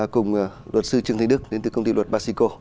cùng luật sư trương thanh đức đến từ công ty luật basico